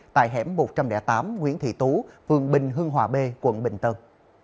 tại hẻm một trăm linh tám nguyễn thị tú phường bình hưng hòa b quận bình tân